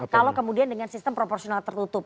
kalau kemudian dengan sistem proporsional tertutup